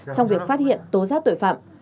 trong việc phát hiện tố giác tội phạm